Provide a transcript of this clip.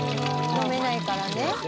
飲めないからね。